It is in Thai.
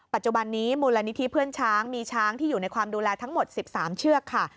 ปัจจุบันนี้มูลนิธิเพื่อนช้างมีช้างที่อยู่ในความดูแลทั้งหมด๑๓เชือกค่ะ